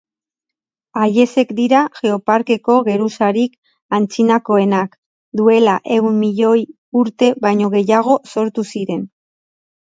haiexek dira Geoparkeko geruzarik antzinakoenak: duela ehun milioi urte baino gehiago sortu ziren.